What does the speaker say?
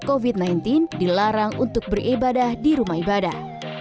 covid sembilan belas dilarang untuk beribadah di rumah ibadah